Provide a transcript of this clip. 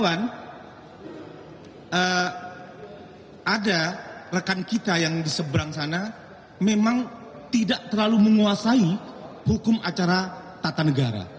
ada rekan kita yang diseberang sana memang tidak terlalu menguasai hukum acara tata negara